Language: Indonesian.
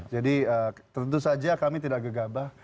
jadi tentu saja kami tidak gegabah